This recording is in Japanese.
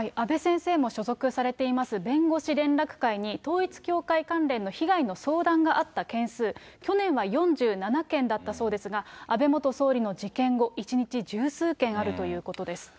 阿部先生も所属されています、弁護士連絡会に統一教会関連の被害の相談があった件数、去年は４７件だったそうですが、安倍元総理の事件後、１日、十数件あるということです。